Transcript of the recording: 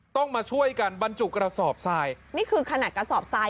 ต้องมาช่วยกันบรรจุกระสอบทรายนี่คือขนาดกระสอบทราย